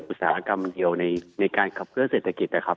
อุตสาหกรรมเดียวในการขับเคลื่อเศรษฐกิจนะครับ